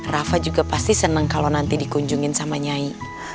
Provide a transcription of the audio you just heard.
rafa juga pasti seneng kalo nanti dikunjungin sama nyai